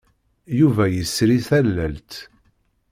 Yuba yesri tallalt.